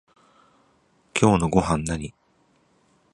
今日のごはんなに？